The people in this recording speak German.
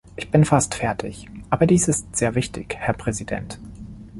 Ich bin fast fertig, aber dies ist sehr wichtig, Herr Präsident.